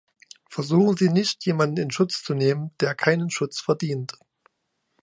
Versuchen Sie nicht, jemanden in Schutz zu nehmen, der keinen Schutz verdient.